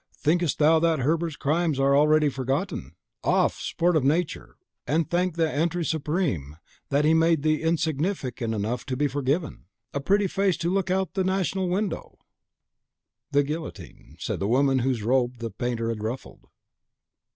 thinkest thou that Hebert's crimes are forgotten already? Off, sport of Nature! and thank the Etre Supreme that he made thee insignificant enough to be forgiven." "A pretty face to look out of the National Window" (The Guillotine.), said the woman whose robe the painter had ruffled.